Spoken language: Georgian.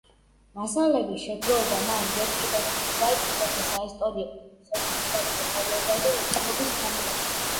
მასალების შეგროვება მან ჯერ კიდევ მაშინ დაიწყო როცა საისტორიო-საეთნოგრაფიო საზოგადოების ქუთაისის გამგეობას თავმჯდომარეობდა.